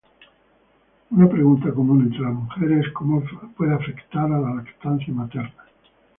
Una pregunta común entre las mujeres es cómo puede afectar a la lactancia materna.